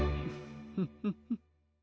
フフフ。